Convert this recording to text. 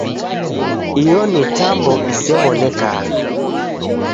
Iyo ni tambo isew'onekagha.